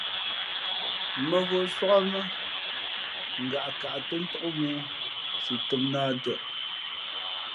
Mᾱvǒ sōk á mâ : ngaꞌkǎꞌ tō ntók mōō, nsi tōm nᾱ ā tα.